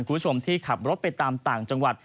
คุณผู้ชมที่ขับรถไปตามต่างจังหวัด